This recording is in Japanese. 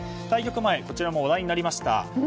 対局前、こちらも話題になりました。